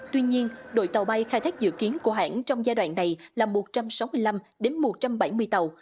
tuy nhiên đội tàu bay khai thác dự kiến của hãng trong giai đoạn này là một trăm sáu mươi năm một trăm bảy mươi tàu